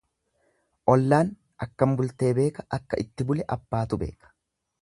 Ollaan akkam bultee beeka akka itti bule abbaatu beeka.